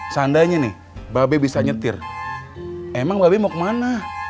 sandanya nih mbak be bisa nyetir emang mbak be mau kemana